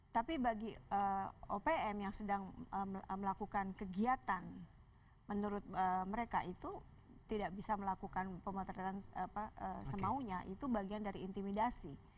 tapi bagi opm yang sedang melakukan kegiatan menurut mereka itu tidak bisa melakukan pemotretan semaunya itu bagian dari intimidasi